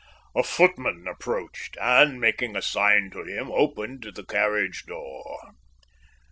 A footman approached, and, making a sign to him, opened the carriage door.